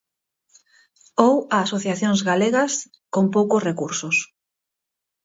Ou a asociacións galegas con poucos recursos.